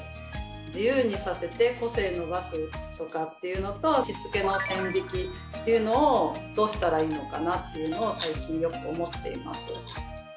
自由にさせて個性伸ばすとかっていうのとしつけの線引きっていうのをどうしたらいいのかなっていうのを最近よく思っています。